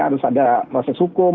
harus ada proses hukum